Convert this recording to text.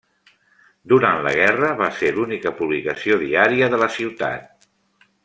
Durant la guerra va ser l'única publicació diària de la ciutat.